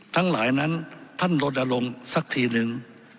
ทั้งหลายนั้นท่านลดลงสักทีนึง